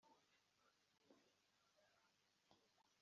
Jya uzirikana ibyiyumvo by uwo muntu